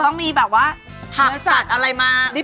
อะไรนะพี่เข้าตัวสวยอะไรดี